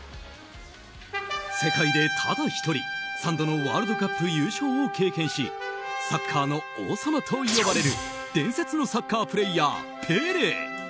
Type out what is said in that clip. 世界でただ１人、３度のワールドカップ優勝を経験しサッカーの王様と呼ばれる伝説のサッカープレーヤー、ペレ。